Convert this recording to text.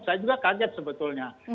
saya juga kaget sebetulnya